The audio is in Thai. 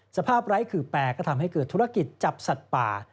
ไร้ขื่อแปลก็ทำให้เกิดธุรกิจจับสัตว์ป่า